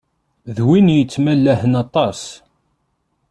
D win yettmalahen aṭas.